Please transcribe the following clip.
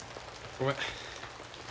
ごめん。